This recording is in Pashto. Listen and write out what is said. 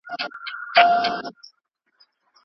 بورې څخه پرهیز وکړئ.